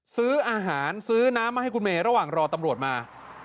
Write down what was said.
ซื้ออาหารซื้อน้ำมาให้คุณเมย์ระหว่างรอตำรวจมา